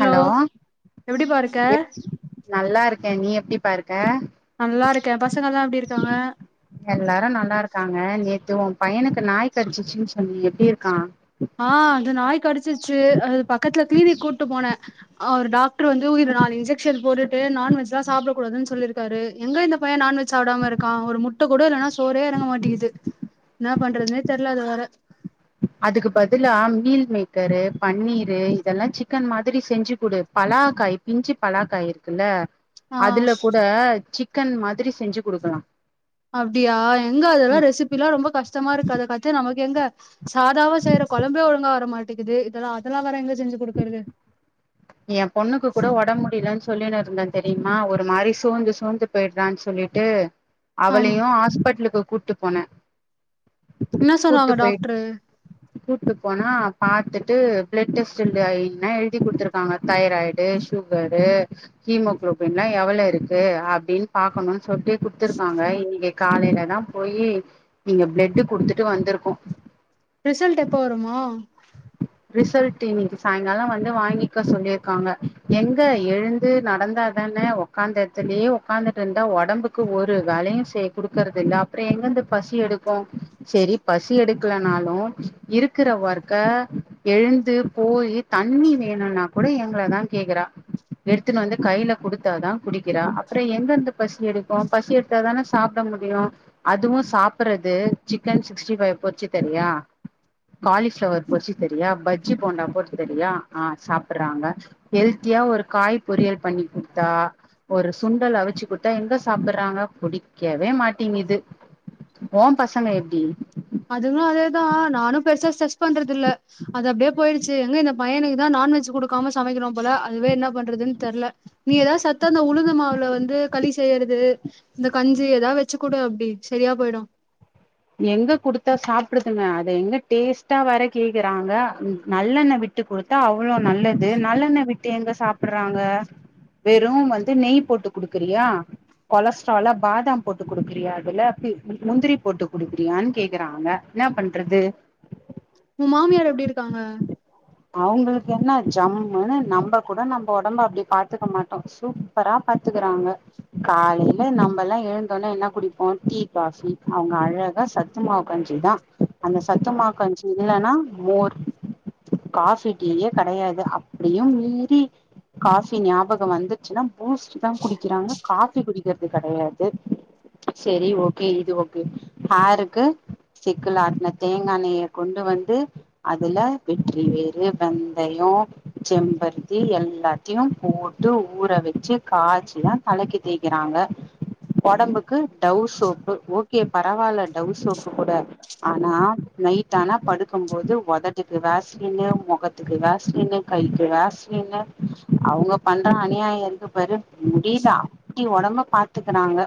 Hello எப்டிப்பா இருக்க எப் நல்லாருக்கே நீ எப்படிபாருக்க நல்லாருக்கே பசங்கல்லா எப்படிருக்காங்க எல்லாரு நல்லா இருக்காங்க நேத்து உன் பையனுக்கு நாய் கடிச்சிச்சின்னு சொன்யே எப்டி இருக்கான் ஆ அது நாய் கடிச்சிச்சு அது பக்கத்துல கிளீனிக் கூட்டு போனேன் அவர் டாக்டர் வந்து உயிரு நாலு இன்ஜெக்ஷன் போட்டுட்டு நான்வெஜா சாப்டக் கூடாதுன்னு சொல்லிருக்காரு எங்க இந்த பயன் நான்வெஜ் சாப்டாம இருக்கான் ஒரு முட்ட கூட இல்லன சோரே எறங்க மாட்டேக்குது என்ன பண்றதுனே தெரிலா அத வேர அதுக்கு பதிலா மீல் மேக்கரு பன்னீரு இதெல்லா சிக்கன் மாதிரி செஞ்சு குடு பலாக்காய் பிஞ்சி பலாக்காய் இருக்குல்ல ஆ அதுல கூட சிக்கன் மாதிரி செஞ்சு குடுக்கலா அப்டியா எங்க அதெல்லா ரெசிபில்ல ரொம்ப கஷ்டமா இருக்கு அத கத்து நமக்கு எங்க சாதாவா செய்யற குழம்பே ஒழுங்கா வர மாட்டேக்குது இதெல்லா அதெல்லாம் வேற எங்க செஞ்சு கொடுக்கறது என் பொண்ணுக்கு கூட ஒடம்பு முடியலன்னு சொல்லின்னு இருந்தேன் தெரியுமா ஒரு மாரி சூழ்ந்து சூழ்ந்து பெய்றான் சொல்லிட்டு ஆம் அவளையும் ஹாஸ்பிட்டலுக்கு கூட்டு போன என்ன சொன்னாங்க டாக்டரு கூட்டு போனா பாத்துட்டு பிளட் டெஸ்ட்யடு ன எழுதி குடுத்து காங்க தைராய்டு சுகரு ஹீமோகுளோபின்லா எவ்ளவு இருக்கு அப்டின்னு பாக்கணும்னு சொட்டு குடுத்துயிருகாங்க இன்னன்கி காலையில தான் போயி இங்க பிளட்டு் குடுத்துட்டு வந்திருக்கோம் ரிசல்ட் எப்போ வருமா உம் ரிசல்ட் இன்னைக்கு சாயங்காலம் வந்து வாங்கிக்க சொல்லியிருக்காங்க எங்க எழுந்து நடந்ததானே உட்காந்ததுலயே உட்காந்துட்டு இருந்தா ஒடம்புக்கு ஒரு வேலையும் கொடுக்கறது இல்ல அப்புறம் எங்கந்து பசி எடு க்கு செரி பசி எடுக்கலனாலும் இருக்கிற ஒர் எழுந்து போய் தண்ணி வேணும்னா கூட எங்கள தான் கேக்குறா எடுத்துன்னு வந்து கையில குடுத்தாதான் குடிக்கிற அப்புறம் எங்கிருந்து பசி எடுக்கும் பசி எடு த்த தானே சாப்ட முடியு அதுவும் சாப்டுறது சிக்கன் சிக்ஸ்டி ஃபைவ் போர்ச்சு தரியா காலி ஃபளவர் பொர்ச்சு தெரியா பஜ்ஜி போண்டா போர்ச்சு தெரியா ஆ சாப்றாங்க ஹெல்த்தியா ஒரு காய் பொரியல் பண்ணி கொடுத்தா ஒரு சுண்டல் அவிச்சுக்குடுத்த எங்க சாப்புறாங்க புடிக்கவே மாட்டீங்குது ஓ பசங்க எப்டி அதுங்களும் அதேதான் நானும் பெருசா ஸ்டரெஸ் பண்றது இல்ல அது அப்டியே பொய்டுச்சு எங்க இந்த பையனுக்கு தான் நான்வெஜ் குடுக்காம சமைக்கிறோ போல அதுவே என்ன பண்றதுன்னு தெரில நீ ஏத சத்தன உளுந்து மாவுல வந்து களி செய்றேது இந்த கஞ்சி ஏதாவது வெச்சு கூடு அப்டி செரியா போயிடும் எங்க குடுத்தா சாப்டுதுங்க அத எங்க டேஸ்ட்டா வர கேக்குறாங்க நல்லெண்ண விட் ட்டு கொடுத்தா அவ்ளோ நல்லது நல்லெண்ண விட்டு எங்க சாப்டுறாங்க வெறும் வந்து நெய் போட்டு குடுக்குறியா கொலஸ்ட்ராலா பாதாம் போட்டு கொடுக்குறியா அதுல முந்திரி போட்டு குடுக்கிறியான்னு கேக்குறாங்க என்ன பண்றது ஊன் மாமியார் எப்டி இருக்காங்க அவங்களுக்கு என்ன ஜம்முன்னு நம்ப கூட நம்ம ஒடம்ப அப்டி பாத்துக்க மாட்டோ சுப்பரா பாத்துக்கறாங்க காலைல நம்ம எழுந்தோனே என்ன குடிப்போம் தீ காபி அவங்க அழ சத்துமாவு கஞ்சி தான் அந்த சத்துமாவு கஞ்சி இல்லனா மோர் காஃபி டீ யே கிடையாது அப்டியும் மீறி காஃபி ஞாபக வந்துச்சுன்னா பூஸ்ட் தா குடிக்கிறாங்க காஃபி குடிக்கற்து கடையாது சேரி ஓகே இது ஓகே ஹேருக்கு செக்குல் ஆட்ன தேங்காண்ணய கொண்டு வந்து அதுல வெற்றி வேரு வெந்தயோ செம்பருத்தி எல்லாத்தியு போட்டு ஊற வெச்சு காச்சிலா தலைக்கி தேக்கிறாங்க ஒடம்புக்கு டவ் சோப்பு ஓகே பரவால்ல டவ் சோப்பு கூட ஆனா நைட் ஆனா படுக்கம்போது ஒதட்டுக்கு வேஸ்லினு மொகத் துக்கு வேஸ்லினு கைக்கு வேஸ்லினு அவ்ங்க பண்ற அநியாய இருக்கு பாரு முடிதா ப்டி ஒடம்பு பாத்துக்குறாங்க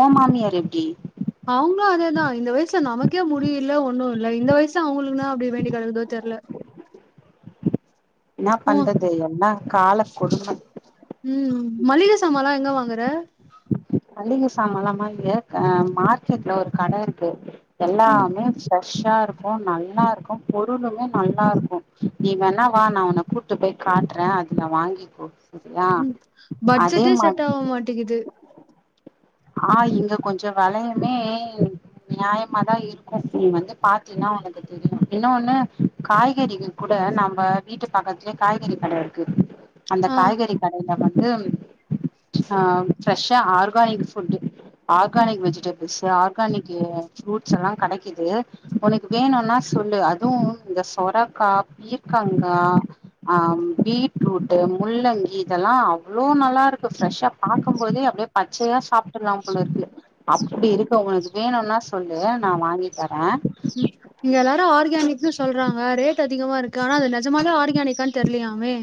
ஒ மாமியார் எப்டி அவ்ங்ளு அதேதா இந்த வய்ல நமக்கே முடி இல்ல ஒன்னு இந்த வய்ஸ்ல அவ்ங்குள்க்ன்ன அப்டி வேண்டி கடக்குதோ தெர்ல இன்னா ம் பண்றது எல்லா கால கொடுமை ம் மள்ளிக சாமாலா எங்க வாங்குற மள்ளிக சாமாலாமா இங்க அ மார்க்கெட்ல ஒரு கட இருக்கு ம் எல்லாமே ஃபெஷ்ஷா இருக் ஒ நல்லாருக்கு பொருளுமே நல்லாருக்கு நீ வேண்னா வா நா ஒன்ன கூட் டு போய் காட்ற அதுல வாங்கிக்கோ சரியா ம் அதே பட்ஜெட்டே மாரி செட் ஆவ மாட்டிங்கிது ஆ இங்க கொஞ்ச வெலையுமே நியாயமாதா இருக்கு நீ வந்து பாத்தீன்னா ஒனக் அது இன்ன ஒன்னு காய்கறிகிள் கூட நம்ப வீட்டு பக்கத்லே காய்கறி கட இருக்கு அந்த ஆ காய்கறி கடையில வந்து ஆ ஃப்ரெஷ்ஷா organic food organic vegetables organic ஏ ஃப்ரூட்ஸ் எல்லா கடக்கிது உனக்கு வேணுனா சொல்லு அதுவு இந்த சொரக்கா பீர்க்கங்கா ஆ பீட்ரூட் முள்ளங்கி இதல்லா அவ்ளோ நல்லாருக்கு ஃப்ரஷ்ஷா பாக்கம்போதே அப்புடே பச்சையா சாப் டுல்லா போலருக்கு அப்டி இருக்கு ஒனக்கு வேணுனா சொல்லு நா வாங்கி தர [inaudible] இங்க எல்லாரு ஆர்கேனிக்னு சொல்றாங்க ரேட் அதிகமா இருக்கு ஆனா அது நெஜமாலே ஆர்கேனிக்கான் தெர்லயாமே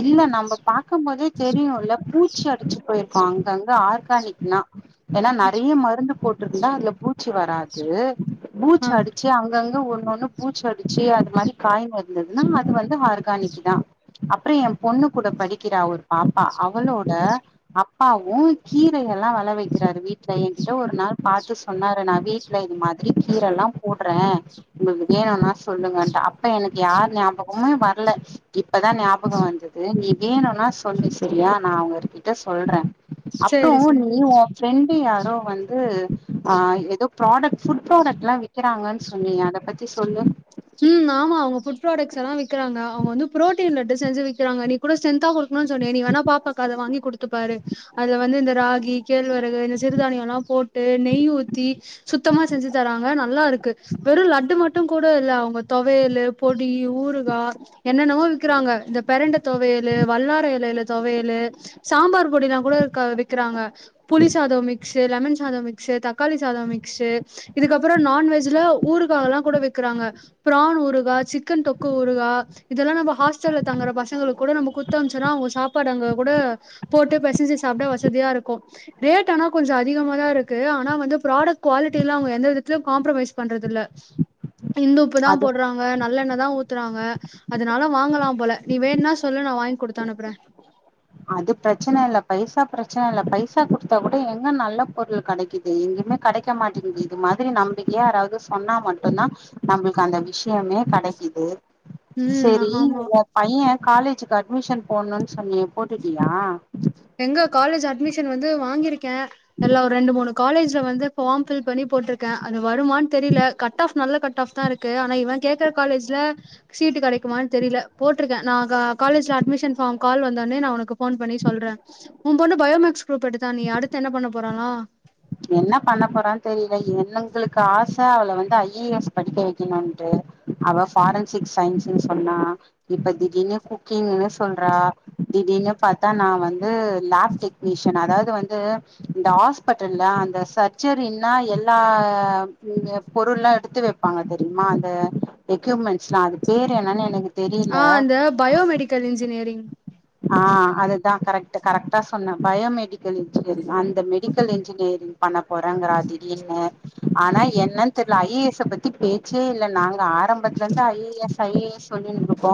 இல்ல நம்ப பாக்கம்போதே தெரியுல்ல பூச்சி அடிச்சு போயிருக்கு அங்கங்க ஆர்கானிக்னா ஏன்னா நறைய மருந்து போட்ருந்தா அதுல பூச்சி வராது பூச் ஆ அடிச் அங்கங்க ஒன் ஒன்னு பூச் அடிச்சு அது மாரி காய்ங்க இருந்துத்னா அது வந்து ஹார்கானிக்கி தா அப்ற ஏ பொண்ணு கூட படிக்கிறா ஒரு பாப்பா அவளோட அப்பாவும் கீரை எல்லா வள வக்கிறாரு வீட்ல ஏங்கிட்ட ஒரு நாள் பாத்து சொன்னாரு நா வீட் ட்ல இது மாதுரி கீரல்லா போட்ற உங்களுக்கு வேணுனா சொல்லுங்கன்டு அப்ப எனக்கு யார் ஞாபகுமே வர்ல இப்பதா ஞாப் ஞாபகோ வந்தது நீ வேணுனா சொல்லு செரியா நா அவுங்க கிட்ட சொல்றே அப்றோ சேரி சேரி நீ ஓ ஃப்ரெண்டு யாரோ வந்து ஆ எதோ ப்ராடக்ட் ஃபுட் ப்ராடக்ட்லா விக்கிறாங்கன் சொன்னியே அத பத் த்தி சொல்லு ம் ஆமா அவுங்க ஃபுட் ப்ராடக்ட்ஸ் எல்லா விக்கிறாங்க அவுங்க வந்து புரோட்டீன் லட்டு செஞ்சி விக்கிறாங்கா நீ கூட ஸ்டென்ந்தாஹோல் க்ணு சொன்னியே நீ வேணா பாப்பாக்கு அத வாங்கி குடுத்துப்பாரு அத வந்து இந்த ராகி கேழ்வரகு இந்த சிறுதானியோல்லா போட்டு நெய் ஊத்தி சுத்தமா செஞ்சு தராங்க நல்லாருக்கு வெறு லட்டு மட்டு கூட இல்ல அவ் உங்க தொவயேலு பொடி ஊறுகா என்னென்னவோ விக்கிறாங்க இந்த பெரண்ட தொவையலு வல்லாறா எலையில தொவையலு சாம்பார் பொடிலா கூட க விக்கிறாங்க புளி சாதோ மிக்ஸ் லெமன் சாதோ மிக்ஸு தக்காளி சாதோ மிக்ஸு இதுக்கப்பறோ நான்வெஜ்ல ஊறுகாவல்லா கூட வெக்கிறாங்க ப்ரான் ஊறுகா சிக்கன் தொக்கு ஊறுகா இதெல்லா நம்ம ஹாஸ்டல்ல தங்குற பசங்களுக்கு கூட நம்ம குத்தம்ச்சுன்னா அவுங்க சாப்பாடு அங்க கூட போட்டு பெசஞ்சி சாப்ட வசதியா இருக்கு ரேட் ஆனா கொஞ்ச அதிகமா தா இருக்கு ஆனா வந்து ப்ராடக்ட் குவாலிட்டிலா அவுங்க எந்த விதத்துலயையு காம்ரமைஸ் பண்றதில்ல. இந்துப்பு தா அது போட்றா ங்க நல்லெண்ண தா ஊத்துறாங்க அதனால வாங்கலாம் போல நீ வேண்னா சொல்லு நா வாங்கி குடுத்து அனுப்புறே அது பிரச்சன இல்ல பைசா பிரச்சன இல்ல பைசா குடுத்தா கூட எங்க நல்ல பொருளு கெடைக்குது எங்கிமே கடைக்க மாட்டடிங்குது இது மாத்ரி நம்பிக்கையா யாராவ்து சொன்னா மட்டுந்தா நம்மளுக்கு அந்த விஷயமே கெடைக்கிது ம் செரி ஆமா உங்கப் பையே காலேஜுக்கு அட்மிஷன் போட்ணுன் சொன்னியே போட்டுட்டியா எங்க காலேஜ் அட்மிஷன் வந்து வாங்கியிருக்கே எல்லா ஒரு ரெண்டு மூணு காலேஜ்ல வந்து ஃபார்ம் பில் பண்ணி போட்டிருக்கே அது வருமான் தெரிய்ல கட் ஆஃப் நல்ல கட் ஆஃப் தா இருக்கு ஆனா இவே கேக்குற காலேஜ்ல சீட் கெடைக்குமான் தெரில போட்ருக்கே நா கா காலேஜ்ல அட்மிஷன் பார்ம் கால் வந்தோனே நா உனக்கு போன் பண்ணி சொல்றே உ பொண்ணு பயோ மேக்ஸ் குரூப் எடுத்தானியே அடுத்து என்ன பண்ண போறலா என்ன பண்ண போறான் தெரியல எங்களுக்கு ஆச அவள வந்து ஐ ஏ எஸ் படிக்க வெக்கணுன்ட்டு அவ ஃபாரன்சிக் சயின்ஸ்ன்னு சொன்னா இப்ப திடீர்னு குக்கிங்ன்னு சொல்றா திடீனு பாத்தா நா வந்து லேப் டெக்னீசியன் அதாவ்து வந்து இந்த ஹாஸ்பட் டல்ல அந்த சர்ச்சரினா எல்லா ம் பொருள்லா எடுத்து வெப்ப பாங்க தெரிய்மா அந்த எக்யூப்மெண்ட்ஸ்லா அது பேரு என்னன்னு எனக்கு தெரியல ஆ அந்த பயோமெடிக்கல் இன்ஜினியரிங் ஆ அதுதா கரெக்ட்டு கரெக்ட்டா சொன்ன பயோமெடிக்கல் இன்ஜினியரிங் அந்த மெடிக்கல் இன்ஜினியரிங் பண்ண போறேங்றா திடீர்னு ஆனா என்னன் தெர்ல ஐ ஏ எஸ் பத்தி பேச்சே இல்ல நாங்க ஆரம்பத்துலருந்து I A S I A S சொல்லின்ட்ருக்கோ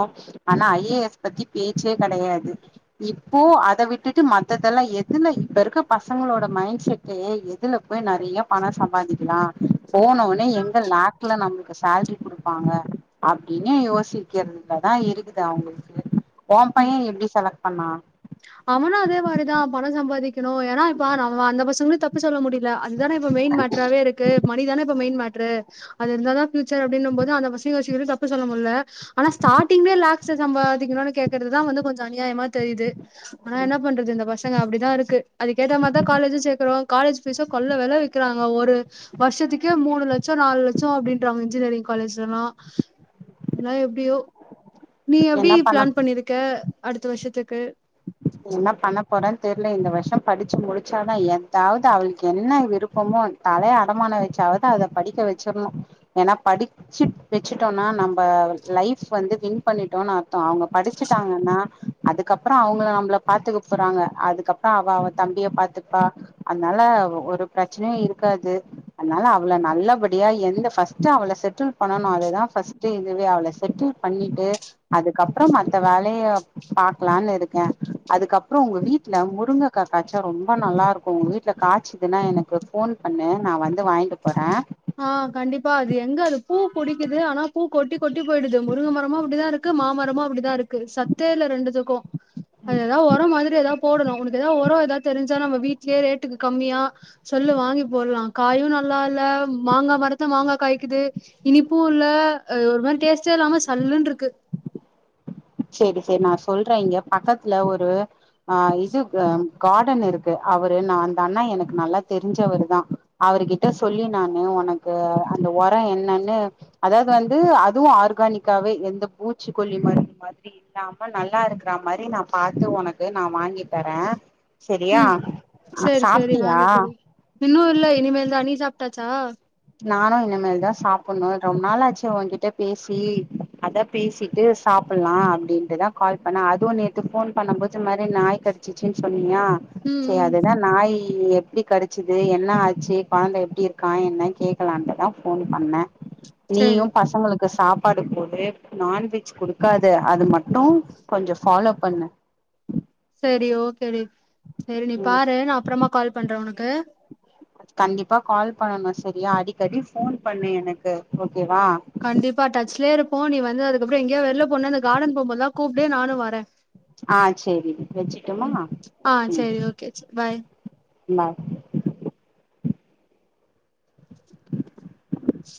ஆனா ஐ ஏ எஸ் பத்தி பேச்சே கெடையாது இப்போ அத விட்டுட்டு மத்ததெல்லா எதுல இப்ப இருக்க பசங்களோட மைண்ட் செட் டே எதுல போய் நெறையா பணோ சம்பாதிக்கலா போன ஓனே எங்க லேக்ல நம்மளுக்கு சேல்ரி குடு ப்பாங்க அப்டின்னு யோசிக்கிறதுலதா இருக்குது அவுங்களுக்கு ஓ ம் பையே எப்டி செலக்ட் பண்ணா அவனு அதே மாரிதா பணோ சம்பாதிக்கணு ஏனா இப்ப நம் அந்த பசங்களு தப் இப்ப சொல்ல முடியல அதுதான இப்ப மெயின் மேட்ராவே இருக்கு மணிதான இப்ப மெயின் மேட்ரு அது இருந்தா தா பியூச்சர் அப்டினும்போது அந்த [unintelligible] தப்பு சொல்ல முல்ல ஆனா ஸ்டாடிங்லே லாஸ்ட்ல சம்பாதிக்கணுனு கேக்கறதுதா வந்து கொஞ்ச அநியாயமா தெரிய்து நா என்ன பண்றது இந்த பசங்க அப்டிதா இருக்கு அதுக்கேத்த மாரி தா காலேஜும் சேக்கறோ காலேஜ் ஃபீஸ்ஸ கொள்ள வெல விக்கிறாங்க ஒரு வருஷத்துக்கே மூணு லட்சம் நாலு லட்சம் அப்டின்றாங்க இன்ஜினியரிங் காலேஜ்லல்லா நா எப்டியோ நீ என்ன எப்டி பண்ண பிளான் பண்ணி இருக்க அடுத்த வருஷத்துக்கு என்ன பண்ண போறேன் தெர்ல இந்த வருஷம் படிச்சு முடிச்சாதா எதாவ்து அவுளுக்கு என்ன விருப்பமோ தலைய அடமான வெச்சாவ்து அத படிக்க வெச்சிர்ணு ஏன்னா படிப் சிட் வெச்சுட்டோனா நம்ப லைஃப் வந்து வின் பண்ணிட்டோன் அர்த்தோ அவுங்க படிச்சிட்டாங்கன்னா அதுக்கப்றோ அவுங்க நம்பள பாத்துக்க போறாங்க அதுக்கப்றோ அவ அவ தம்பிய பாத்துப்பா அதனால ஒரு பிரச்சனையு இருக்காது அதனால அவள நல்லபடியா எந்த ஃபஸ்ட்டு அவள செட்டில் பண்ணனு அது தா ஃபஸ்ட்டு இதுவே அவள செட்டில் பண்ணிட்டு அதுக்கப்றம் மத்த வேலைய பாக்கலான் இருக்கே அதுக்கப்றோ உங்க வீட்ல முருங்கக்கா காச்சா ரொம்ப நல்லாருக்கு உங்க வீட்ல காச்சதுன்னா எனக்கு ஃபோன் பண்ணு நா வந்து வாய்ங்ட்டு போற ஆ கண்டிப்பா அது எங்க அது பூ புடிக்குது ஆனா பூ கொட்டி கொட்டி போயிடுது முருங்க மரமா அப்டிதா இருக் க்கு மாமரமு அப்டிதா இருக்கு சத்தே இல்ல ரெண்டுதுக்கும் எதாவ் ஒரம் மாதிரி எதாவ் போடணும் உனக்கு எதாவ் ஒரம் எதாவ் தெரிஞ்சா நம்ம வீட்லே ரேட்டுக்கு கம்மியா சொல்லு வாங்கி போல்லா காயும் நல்லா இல்ல மாங்கா மரத்ல மாங்கா காய்க்குது இனிப்பும் இல்ல ஒரு மாரி டேஸ்ட்டே இல்லாம சல்லுன்ருக்கு செரி செரி நா சொல்ற இங்க பக்கத்துல ஒரு ஆ இது கார்டன் இருக்கு அவுரு நா அந்த அண்ணா எனக்கு நல்லா தெரிஞ்சவரு தா அவருகிட்ட சொல்லி நானு உனக்கு அந்த ஒரம் என்னன்னு அதாவ்து வந்து அதுவும் ஆர்கானிக்காவே எந்த பூச்சிக்கொல்லி மாரி அப்டி இல்லாம நல்லா இருக்கற மாரி நா பாத்து உனக்கு நா வாங்கி தரே செரியா ம் சேரி சேரி சாப்ட்டியா வாங்கி குடு இன்னு இல்ல இனிமேல் தா நீ சாப்ட்டாச்சா நானு இனிமேல் தா சாப்புன்னோ ரொம் நாளாச்சா உன்கிட்ட பேசி அதா பேசிட்டு சாப்புலா அப்டின்ட்டு தா கால் பண்ண அதுவும் நேத்து ஃபோன் பண்ணும்போது இந் மாரி நாய்க்கடி ச்சிச்சுன் சொன்னீயா ம் செர் ம் அதுதா நாய் எப்டி கடிச்சுது என்ன ஆச்சு கொழந்த எப்டி இருக்கா என்னன் கேக்கலான்ட்டு தா ஃபோன் பண்ண சேரி நீயும் பசங்களுக் கு சாப்பாடு குடு நான்வெஜ் குடுக்காது அது மட்டும் கொஞ்சம் ஃபாலோ பண்ணு செரி ஓகே டி செரி நீ ம் பாரு நா அப்றமா கால் பண்ற உனக்கு கண்டிப்பா கால் பண்ணணும் சரியா அடிக்கடி ஃபோன் பண்ணு எனக்கு ஓகேவா கண்டிப்பா டச்லே இருப்போ நீ வந்து அதுக்கப்றோம் எங்யா வெளில போன்னா அந்த கார்டன் போம் போதுலா கூப்டு நானு வர்ற ஆ செரிடி வெச்சுட்டுமா ஆ ம் சேரி ஓகே பாய் பாய் உம்